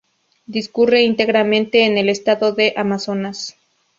Discurre íntegramente en el estado de Amazonas.